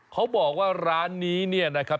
เขาบอกว่าร้านนี้เนี่ยนะครับ